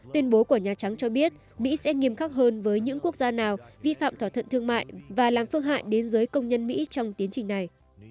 tuyên bố của nhà trắng cho biết mỹ sẽ nghiêm khắc hơn với những quốc gia nào vi phạm thỏa thuận thương mại và làm phương hại đến giới công nhân mỹ trong tiến trình này